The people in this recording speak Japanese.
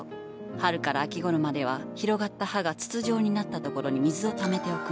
春から秋頃までは広がった葉が筒状になった所に水をためておくの。